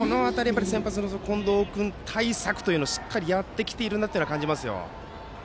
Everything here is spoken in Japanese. この辺り、先発の近藤君対策をしっかりとやってきているなと感じます。